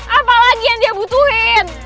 apalagi yang dia butuhin